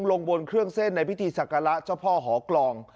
ลงบนเครื่องเส้นในพิธีศักระเจ้าพ่อหอกลอง